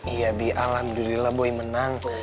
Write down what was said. iya bi alhamdulillah boy menang